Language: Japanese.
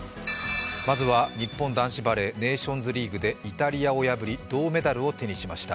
まずは日本男子バレーネーションズリーグでイタリアを破り銅メダルを手にしました。